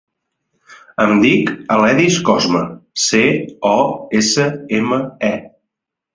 Em dic Aledis Cosme: ce, o, essa, ema, e.